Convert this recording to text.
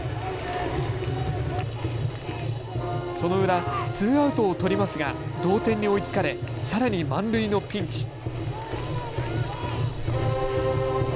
その裏、ツーアウトを取りますが同点に追いつかれさらに満塁のピンチ。